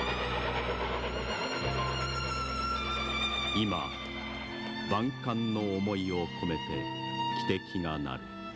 今、万感の思いを込めて汽笛が鳴る。